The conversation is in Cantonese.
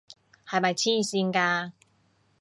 係咪癡線㗎？